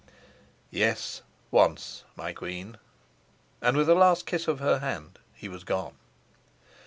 "Yes, once, my queen," and with a last kiss of her hand he was gone.